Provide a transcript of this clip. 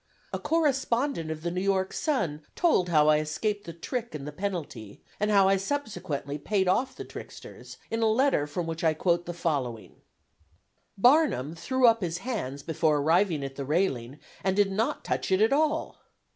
A correspondent of the New York Sun told how I escaped the trick and the penalty, and how I subsequently paid off the tricksters, in a letter from which I quote the following: "Barnum threw up his hands before arriving at the railing, and did not touch it at all!